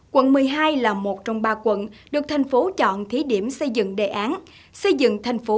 quận một mươi hai là một trong ba quận được thành phố chọn thí điểm xây dựng để đào tạo nguồn nhân lực chung của cả thành phố